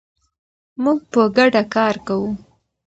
موږ په ګډه کار کوو.